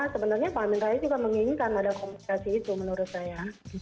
sebenarnya pak amin rais juga menginginkan ada komunikasi itu menurut saya